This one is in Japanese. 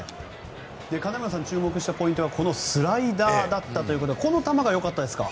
金村さんが注目したポイントはこのスライダーだったということでこの球がよかったですか？